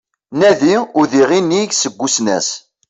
Nadi udiɣ inig seg usnas